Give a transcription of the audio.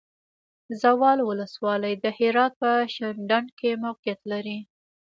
زاول ولسوالی د هرات په شینډنډ کې موقعیت لري.